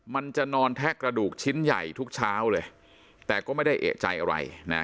มันจะนอนแทะกระดูกชิ้นใหญ่ทุกเช้าเลยแต่ก็ไม่ได้เอกใจอะไรนะ